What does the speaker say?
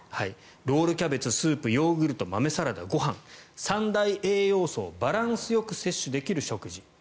ロールキャベツスープ、ヨーグルト豆サラダ、ご飯三大栄養素をバランスよく摂取できる食事